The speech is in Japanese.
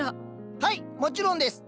はいもちろんです！